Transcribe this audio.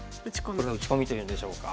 これは打ち込みというんでしょうか。